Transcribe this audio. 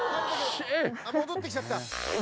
戻ってきちゃった。